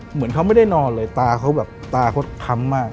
เหมือนเขาไม่ได้นอนเลยตาเขาแบบตาเขาค้ำมาก